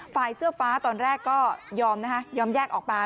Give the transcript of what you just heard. ฝ่ายเสื้อฟ้าตอนแรกก็ยอมนะคะยอมแยกออกมา